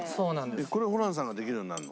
これをホランさんができるようになるの？